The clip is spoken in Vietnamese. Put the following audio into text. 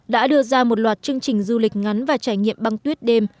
đã đưa ra một loạt chương trình du lịch ngắn và trải nghiệm băng tuyết đêm